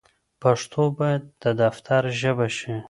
پښتو بايد د دفتر ژبه شي.